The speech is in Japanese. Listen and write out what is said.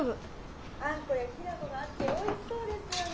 「あんこやきな粉があっておいしそうですよね。